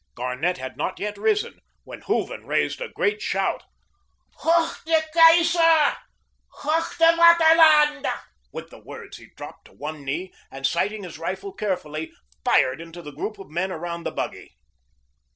Garnett had not yet risen when Hooven raised a great shout: "HOCH, DER KAISER! HOCH, DER VATERLAND!" With the words, he dropped to one knee, and sighting his rifle carefully, fired into the group of men around the buggy.